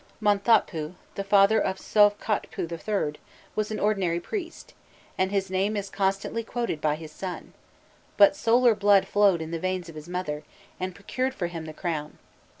Monthotpû, the father of Sovkhotpu III., was an ordinary priest, and his name is constantly quoted by his son; but solar blood flowed in the veins of his mother, and procured for him the crown.